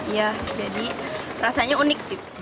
iya jadi rasanya unik